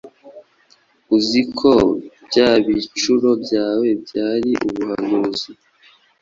Uzi ko bya bicuro byawe byari ubuhanuzi!